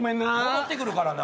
戻ってくるからな。